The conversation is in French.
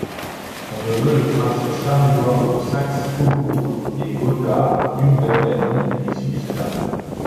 Son neveu, le prince Charles-Édouard de Saxe-Cobourg et Gotha, duc d'Albany, lui succéda.